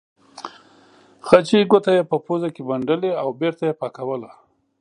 خچۍ ګوته یې په پوزه کې منډلې او بېرته یې پاکوله.